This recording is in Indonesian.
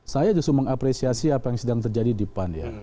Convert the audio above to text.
saya justru mengapresiasi apa yang sedang terjadi di pan ya